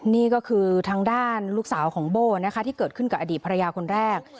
นี่ก็คือทางด้านลูกสาวของโบ้นะคะที่เกิดขึ้นกับอดีตภรรยาคนแรก